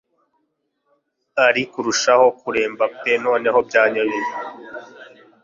ari kurushaho kuremba pe noneho byanyobeye